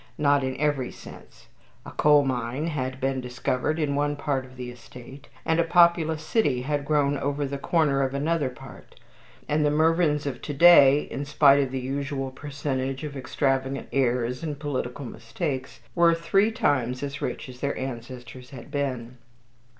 Not in every sense. A coal mine had been discovered in one part of the estate, and a populous city had grown over the corner of another part; and the Mervyns of to day, in spite of the usual percentage of extravagant heirs and political mistakes, were three times as rich as their ancestors had been.